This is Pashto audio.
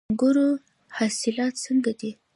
د انګورو حاصلات څنګه دي؟